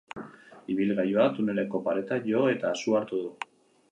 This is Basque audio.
Ibilgailuak tuneleko pareta jo eta su hartu du.